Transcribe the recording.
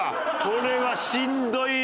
これはしんどいよ！